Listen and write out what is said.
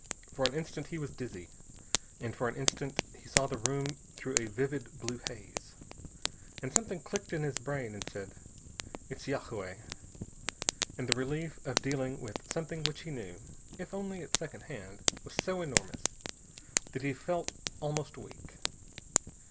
For an instant he was dizzy, and for an instant he saw the room through a vivid blue haze. And something clicked in his brain and said "It's yagué." And the relief of dealing with something which he knew if only at second hand was so enormous that he felt almost weak.